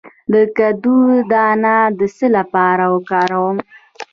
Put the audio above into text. د کدو دانه د څه لپاره وکاروم؟